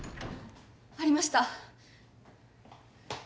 ありました。